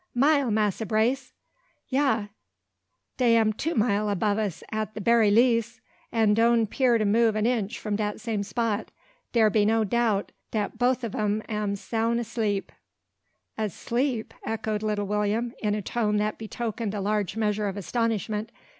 "Mile, Massa Brace! Ya, dey am two mile 'bove us at de berry lees. Dey doan' 'peer to move an inch from dat same spot. Dar be no doubt dat boaf o' 'em am sound 'sleep." "Asleep!" echoed little William, in a tone that betokened a large measure of astonishment.